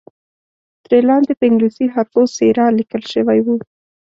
ترې لاندې په انګلیسي حروفو سیرا لیکل شوی وو.